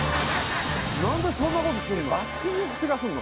何でそんなことすんの？